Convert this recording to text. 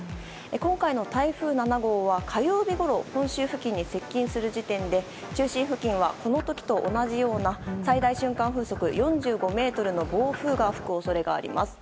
今回の台風７号は火曜日ごろ、本州付近に接近する時点で中心付近はこの時と同じような最大瞬間風速４５メートルの暴風が吹く恐れがあります。